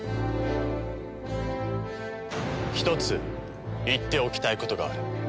ひとつ言っておきたいことがある。